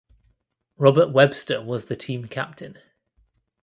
Robert Webster was the team captain.